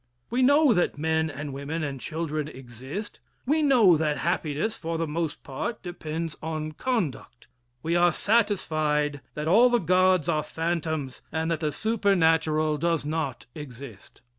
We know that men and women and children exist. We know that happiness, for the most part, depends on conduct. We are satisfied that all the gods are phantoms and that the supernatural does not exist.